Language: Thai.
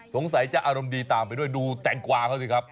สงสัยจะอารมณ์ดีตามไปด้วยดูแตงกวาเขาสิครับ